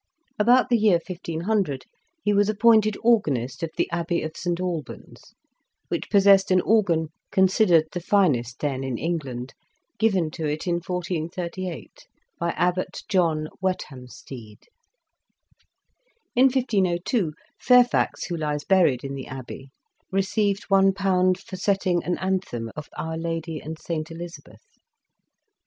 About the year 1500 he was appointed organist of the Abbey of St Albans, which possessed an organ, considered the finest then in England, given to it in 1438, by Abbot John Whethamstede. In 1502, Fairfax, who lies buried in the abbey, received ^i for setting an anthem of Our Lady and Saint Elizabeth.